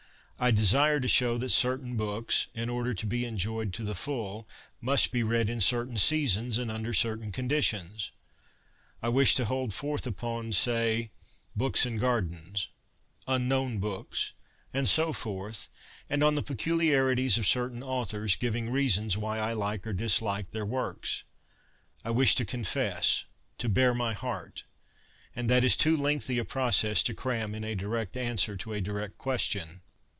I desire to show that certain books, in order to be enjoyed to the full, must be read in certain seasons and under certain conditions. I wish to hold forth upon, say, ' Books and Gardens/ ' Unknown Books,' and so forth, and on the peculiarities of certain authors, giving reasons why I like or dislike their works. I wish to confess, to bare my heart. And that is too lengthy a process to cram in a direct answer to a direct question.